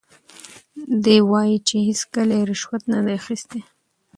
دی وایي چې هیڅکله یې رشوت نه دی اخیستی.